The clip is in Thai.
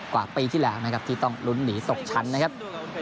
กว่าปีที่แล้วนะครับที่ต้องลุ้นหนีตกชั้นนะครับ